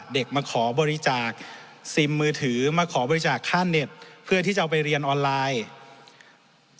เด็กมาขอบริจาคซิมมือถือมาขอบริจาคค่าเน็ตเพื่อที่จะเอาไปเรียนออนไลน์